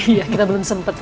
iya kita belum sempat ya